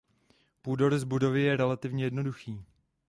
Půdorys budovy je relativně jednoduchý.